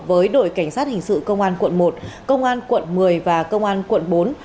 với đội cảnh sát hình sự công an quận một công an quận một mươi và công an quận bốn